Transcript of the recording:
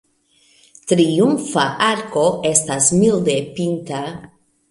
Triumfa arko estas milde pinta.